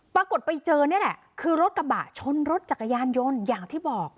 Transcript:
ปรากฏไปเจอนี่แหละคือรถกระบะชนรถจักรยานยนต์อย่างที่บอก